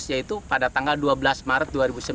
yaitu pada tanggal dua belas maret dua ribu sembilan belas